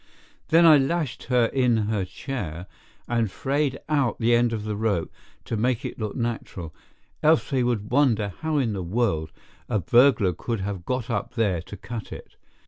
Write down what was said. Then I lashed her in her chair, and frayed out the end of the rope to make it look natural, else they would wonder how in the world a burglar could have got up there to cut it.